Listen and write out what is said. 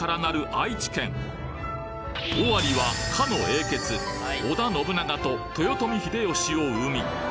愛知県尾張はかの英傑織田信長と豊臣秀吉を生み